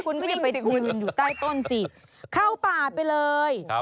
คุณก็อย่าไปยืนอยู่ใต้ต้นสิเข้าป่าไปเลย